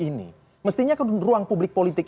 ini mestinya ruang publik politik